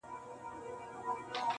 هغه ځان ته نوی ژوند لټوي,